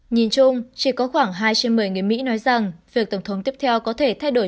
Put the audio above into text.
nhìn chung chỉ có khoảng hai trên một mươi người mỹ nói rằng việc tổng thống tiếp theo có thể thay đổi